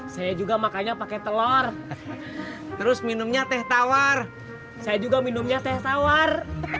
saya juga makannya pakai telur terus minumnya teh tawar saya juga minumnya teh tawar